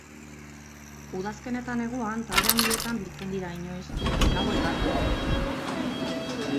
Udazken eta neguan talde handietan biltzen dira inoiz gaua igarotzeko.